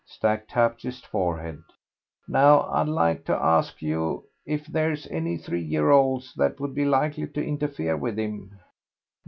Stack tapped his forehead. "Now, I'd like to ask you if there's any three year olds that would be likely to interfere with him?"